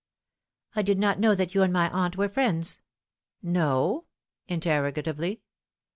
" I did not know that you and my aunt were friends." " No ?" interrogatively.